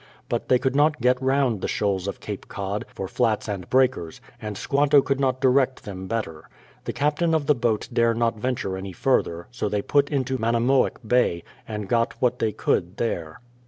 But they could not get round the shoals of Cape Cod, for flats and breakers, and Squanto could not direct them better. The Captain of the boat dare not venture any further, so they put into Manamoick Bay, and got what they could there.